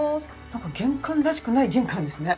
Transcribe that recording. なんか玄関らしくない玄関ですね。